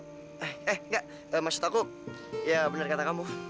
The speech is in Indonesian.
eh eh enggak maksud aku ya benar kata kamu